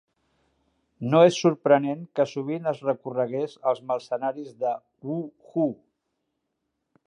No és sorprenent que sovint es recorregués als mercenaris de Wu Hu.